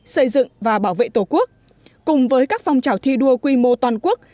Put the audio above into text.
xây dựng và bảo vệ tổ quốc cùng với các phong trào thi đua quy mô toàn quốc